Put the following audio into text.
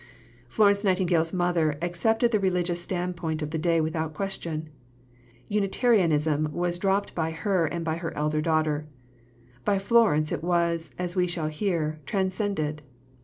Florence Nightingale's mother accepted the religious standpoint of the day without question. Unitarianism was dropped by her and by her elder daughter; by Florence it was, as we shall hear, transcended.